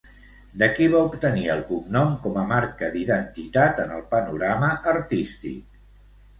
De qui va obtenir el cognom com a marca d'identitat en el panorama artístic?